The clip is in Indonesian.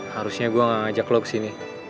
harusnya gue ngajak lo kesini